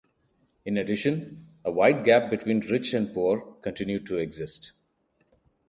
In addition, a wide gap between rich and poor continued to exist.